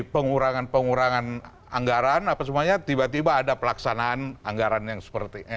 pengurangan pengurangan anggaran apa semuanya tiba tiba ada pelaksanaan anggaran yang seperti